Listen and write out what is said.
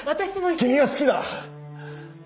君が好きだ。